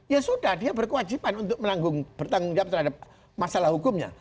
ya sudah dia berkewajiban untuk bertanggung jawab terhadap masalah hukumnya